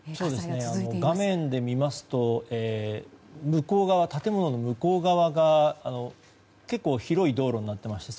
画面で見ますと建物の向こう側が結構広い道路になっていまして